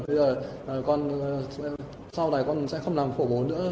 bây giờ con sau này con sẽ không làm phổ nữa